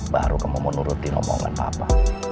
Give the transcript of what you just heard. baru kamu mau nuruti ngomongan papa